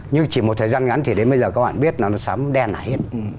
nhưng chỉ một thời gian ngắn thì đến bây giờ các bạn biết là nó sám đen là hết